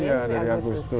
iya dari agustus